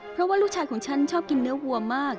เพราะว่าลูกชายของฉันชอบกินเนื้อวัวมาก